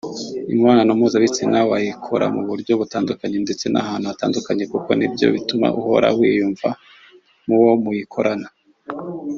Imibonano mpuzabitsina wayikora mu buryo butandukanye ndetse n’ahantu hatandukanye kuko nibyo bituma uhora wiyumva muwo muyikorana